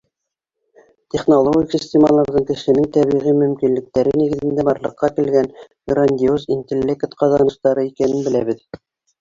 Технологик системаларҙың кешенең тәбиғи мөмкинлектәре нигеҙендә барлыҡҡа килгән грандиоз интеллект ҡаҙаныштары икәнен беләбеҙ.